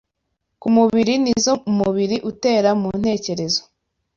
ku mubiri n’izo umubiri utera mu ntekerezo.